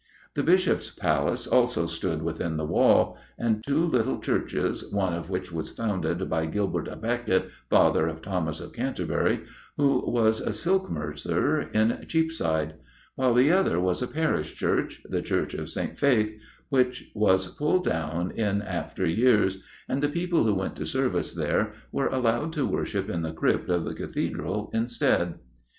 The Bishop's Palace also stood within the wall, and two little churches, one of which was founded by Gilbert à Becket, father of Thomas of Canterbury, who was a silk mercer in Cheapside; while the other was a parish church the Church of St. Faith which was pulled down in after years, and the people who went to Service there were allowed to worship in the crypt of the Cathedral instead.